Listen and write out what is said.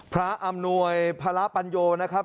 อำนวยพระปัญโยนะครับ